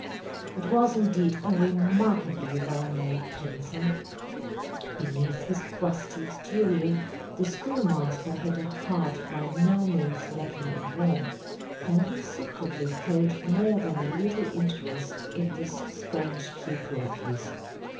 It was indeed a remarkably well made pencil. Be neath his crusty exterior the schoolmaster had a heart by no means lacking in warmth, and he secretly felt more than a little interest in this strange pupil of his.